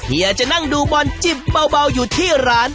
เฮียจะนั่งดูบอลจิบเบาอยู่ที่ร้าน